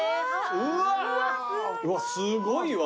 うわすごいわ！